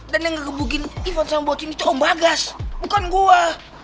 dan yang ngegebukin ivan sama bocin itu om bagas bukan gua